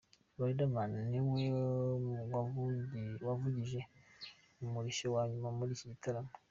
Riderman niwe wavugije umurishyo wa nyuma muri iki gitaramo.